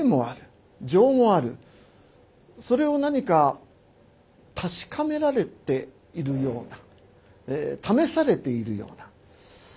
それを何か確かめられているような試されているような。